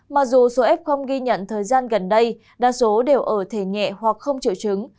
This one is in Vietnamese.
mặc dù số f ghi nhận thời gian gần đây đa số đều ở thể nhẹ hoặc không triệu chứng